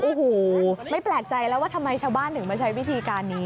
โอ้โหไม่แปลกใจแล้วว่าทำไมชาวบ้านถึงมาใช้วิธีการนี้